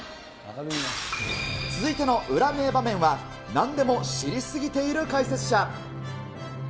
続いての裏名場面は、なんでも知り過ぎている解説者。